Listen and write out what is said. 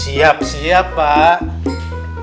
siap siap pak